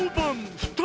ふたばん！